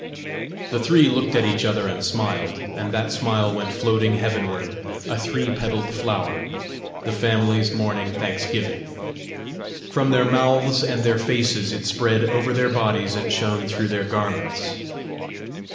The three looked at each other and smiled, and that smile went floating heavenward a three petaled flower, the family's morning thanksgiving. From their mouths and their faces it spread over their bodies and shone through their garments.